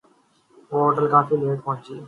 وہ ہوٹل کافی لیٹ پہنچی